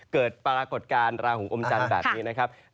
เกิดปรากฏการณ์ราหูอมจันทร์แบบนี้นะครับ